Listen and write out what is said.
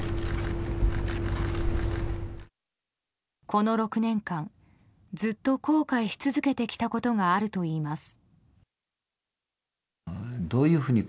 この６年間ずっと後悔し続けてきたことがあるといいます。